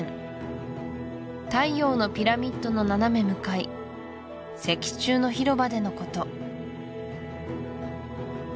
太陽のピラミッドの斜め向かい石柱の広場でのこと